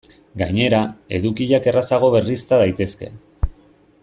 Gainera, edukiak errazago berrizta daitezke.